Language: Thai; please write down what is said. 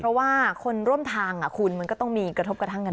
เพราะว่าคนร่วมทางคุณมันก็ต้องมีกระทบกระทั่งกัน